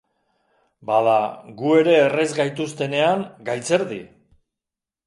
Bada, gu ere erre ez gaituztenean, gaitzerdi!